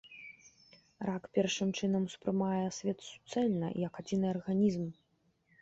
Рак, першым чынам, успрымае свет суцэльна, як адзіны арганізм.